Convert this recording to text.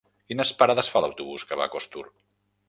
Quines parades fa l'autobús que va a Costur?